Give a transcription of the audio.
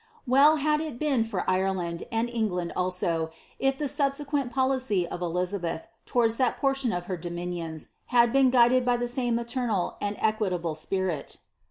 '* Well had it been for Ireland, and England, also, if the subsequent pohcy of Elizabeth, towards that portion of her dominions, had been ^ided by the same maternal and equitable spirit.